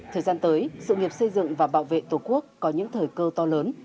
thời gian tới sự nghiệp xây dựng và bảo vệ tổ quốc có những thời cơ to lớn